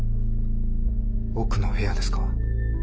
奥の部屋ですか？